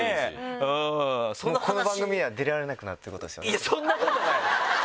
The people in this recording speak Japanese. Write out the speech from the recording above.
いやそんなことない！